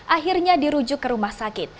akhirnya dirujuk ke rumah sakit